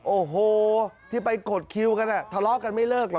โอ้โหที่ไปกดคิวกันทะเลาะกันไม่เลิกเหรอ